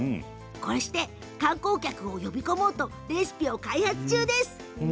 こうして観光客を呼び込もうとレシピを開発中です。